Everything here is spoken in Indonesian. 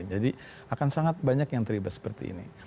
jadi akan sangat banyak yang terlibat seperti ini